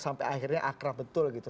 sampai akhirnya akrab betul gitu